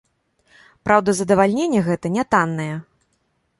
Праўда, задавальненне гэта нятаннае.